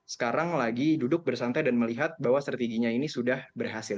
sekarang lagi duduk bersantai dan melihat bahwa strateginya ini sudah berhasil